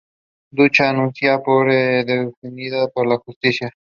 Cambridge were drawn away to Northampton Town in the first round.